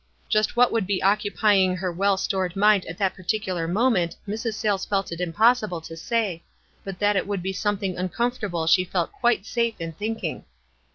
" Just what w T ould be occupying her well stored mind at that particular moment Mrs. Sayles felt it impossible to say, but that it would be something uncomfortable she felt quite safe in thinking.